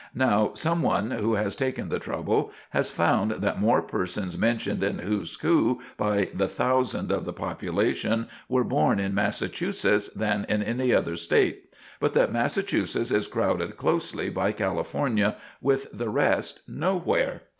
Now some one who has taken the trouble has found that more persons mentioned in "Who's Who" by the thousand of the population were born in Massachusetts, than in any other state; but that Massachusetts is crowded closely by California, with the rest nowhere.